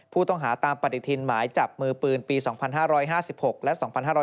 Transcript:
ผู้ต้องหาตามปฏิทินหมายจับมือปืนปี๒๕๕๖และ๒๕๕๙